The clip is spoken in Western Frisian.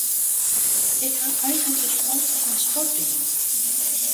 Ik ha eigentlik altyd oan sport dien.